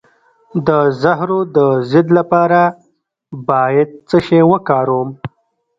د زهرو د ضد لپاره باید څه شی وکاروم؟